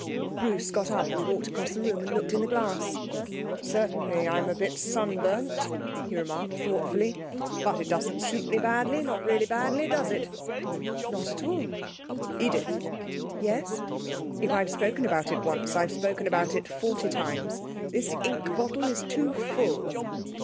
Bruce got up and walked across the room and looked in the glass. 'Certainly, I'm a bit sunburnt,' he remarked thoughtfully. 'But it doesn't suit me badly, not really badly; does it?' 'Not at all.' 'Edith.' 'Yes?' 'If I've spoken about it once, I've spoken about it forty times. This ink bottle is too full.'